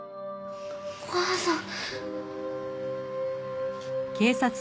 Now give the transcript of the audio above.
お母さん。